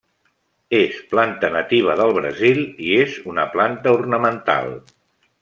És planta nativa del Brasil i és una planta ornamental.